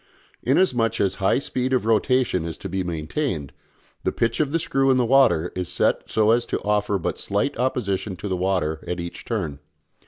Inasmuch as a high speed of rotation is to be maintained, the pitch of the screw in the water is set so as to offer but slight opposition to the water at each turn.